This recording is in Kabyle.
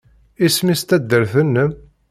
Isem-nnes taddart-nnem?